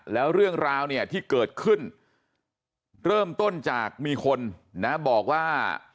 แล้วเรื่องราวเนี่ยที่เกิดขึ้นเริ่มต้นจากมีคนนะบอกว่า